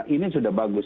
ini sudah bagus